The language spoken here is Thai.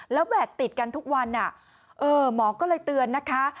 แล้วแบกติดกันทุกวันหมอก็เลยเตือนนะคะ